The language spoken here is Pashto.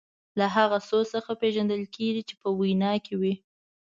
له هغه سوز څخه پېژندل کیږي چې په وینا کې وي.